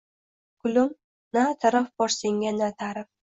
Gulim, na taraf bor senga, na ta’rif